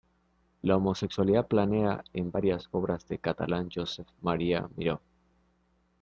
La homosexualidad planea en varias obras del catalán Josep Maria Miró.